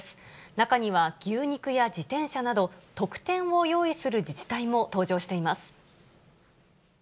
中には牛肉や自転車など、特典を用意する自治体も登場しています。